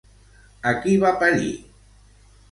A qui va parir?